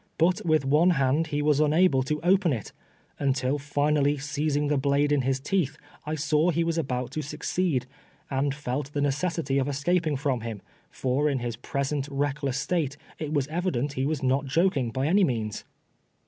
Ihit with one hand he was unable to open it, until finally seizing the blade in his teeth, I saw he was about to succeed, and felt the necessity of escaping from him, for in his ^^I'osent reckless state, it was evident he was not joking, by any means.